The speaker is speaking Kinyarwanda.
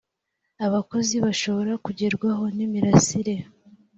abakozi bashobora kugerwaho n imirasire